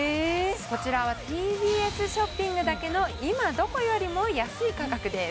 こちらはＴＢＳショッピングだけの今どこよりも安い価格です